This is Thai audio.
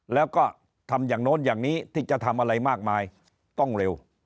แล้วก็ทำอย่างโน้นอย่างนี้ที่จะทำอะไรมากมายต้องเร็ว